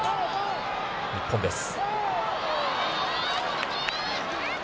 日本です。